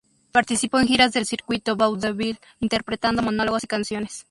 Participó en giras del circuito vaudeville interpretando monólogos y canciones.